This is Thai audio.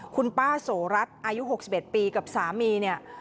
คุณป้าโสรัสอายุ๖๑ปีกับสามีเนี่ย